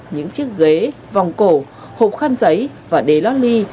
những chiếc ghế vòng cổ hộp khăn giấy và đề lót ly